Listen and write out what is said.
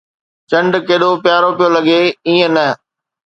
چنڊ ڪيڏو پيارو پيو لڳي، ايئن نہ؟